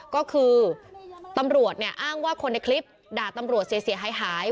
ก็คือตำรวจเนี่ยอ้างว่าคนในคลิปด่าตำรวจเสียหาย